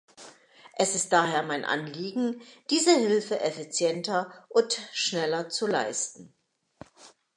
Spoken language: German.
Es ist daher mein Anliegen, diese Hilfe effizienter und schneller zu leisten.